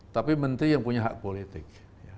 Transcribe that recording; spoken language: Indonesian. tapi menteri yang punya hak politik